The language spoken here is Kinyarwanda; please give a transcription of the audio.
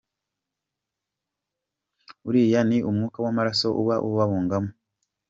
Uriya ni umwuka w’amaraso uba ubabungamo.